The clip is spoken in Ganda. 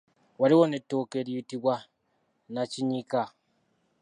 Waliwo n’ettooke eriyitibwa nnakinnyika.